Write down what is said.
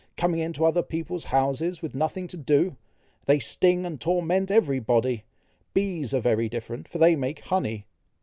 coming into other people's houses, with nothing to do! They sting and torment every body! Bees are very different, for they make honey."